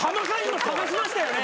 今探しましたよね